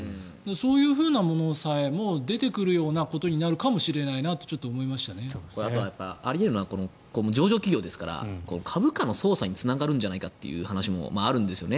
そういうものさえも出てくるようなことになるかもしれないなとあとはあり得るのは上場企業ですから株価の操作につながるんじゃないかという話もあるんですよね。